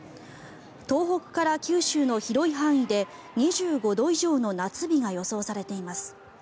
東北から九州の広い範囲で２５度以上の夏日が予想されています。